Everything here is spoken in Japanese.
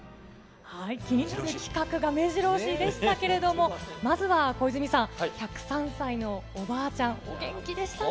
気になる企画がめじろ押しでしたけれども、まずは小泉さん、１０３歳のおばあちゃん、お元気でしたね。